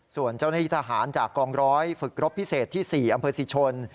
ส่วนเจ้าหน้าที่ทหารจากกองร้อยฝึกรบพิเศษที่๔อำเภอศรีชน